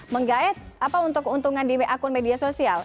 menggait apa untuk keuntungan di akun media sosial